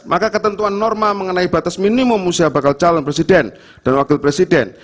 maka ketentuan norma mengenai batas minimum usia bakal calon presiden dan wakil presiden